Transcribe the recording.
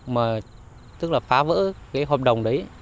mà tức là phá vỡ cái hợp đồng đấy